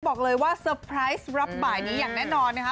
บอกเลยว่าเซอร์ไพรส์รับบ่ายนี้อย่างแน่นอนนะคะ